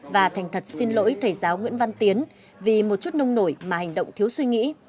và thành thật xin lỗi thầy giáo nguyễn văn tiến vì một chút nông nổi mà hành động thiếu suy nghĩ